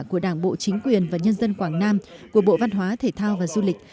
của đảng bộ chính quyền và nhân dân quảng nam của bộ văn hóa thể thao và du lịch